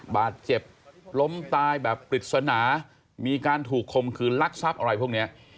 บาดเจ็บล้มตายแบบปริศนามีการถูกคมคืนลักทรัพย์อะไรพวกนี้